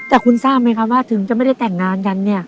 แต่คุณทราบไหมครับว่าถึงจะไม่ได้แต่งงานกันเนี่ย